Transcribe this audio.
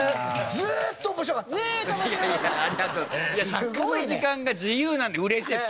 尺の時間が自由なんでうれしいです